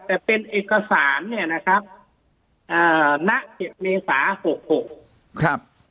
แต่เป็นเอกสารเนี่ยนะครับอ่าณเจ็ดเมษาหกหกครับ